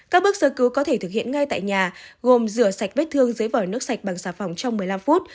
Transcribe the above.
các bước sơ cứu có thể thực hiện ngay tại nhà gồm rửa sạch vết thương dưới vòi nước sạch bằng xà phòng trong một mươi năm phút